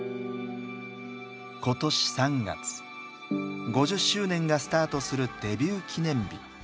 今年３月５０周年がスタートするデビュー記念日。